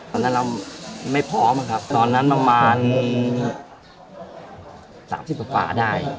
ตอนนั้นเราไม่พร้อมครับตอนนั้นประมาณ๓๐กว่าได้